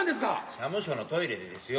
⁉社務所のトイレでですよ。